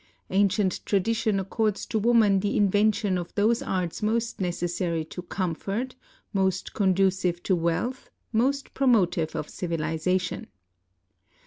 Ancient tradition accords to woman the invention of those arts most necessary to comfort, most conducive to wealth, most promotive of civilization.